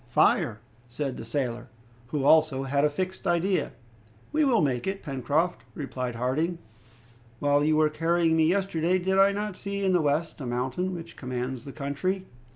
"Fire," said the sailor, who, also, had a fixed idea. "We will make it, Pencroft," replied Harding. "While you were carrying me yesterday, did I not see in the west a mountain which commands the country?"